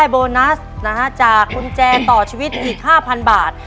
โบนัสนะฮะจากกุญแจต่อชีวิตอีกห้าพันบาท